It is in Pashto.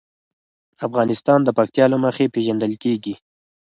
افغانستان د پکتیا له مخې پېژندل کېږي.